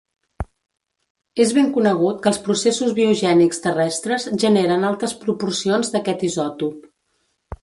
És ben conegut que els processos biogènics terrestres generen altes proporcions d'aquest isòtop.